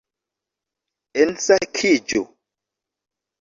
Ensakiĝu